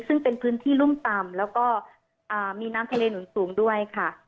ซึ่งเป็นพื้นที่รุ่มต่ำแล้วก็มีน้ำทะเลหนุนสูงด้วยค่ะ